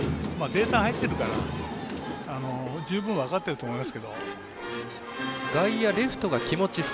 データ入ってるから十分分かってると思います。